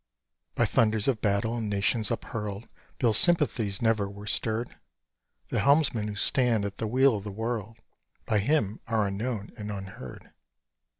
By thunders of battle and nations uphurled, Bill's sympathies never were stirred: The helmsmen who stand at the wheel of the world By him are unknown and unheard.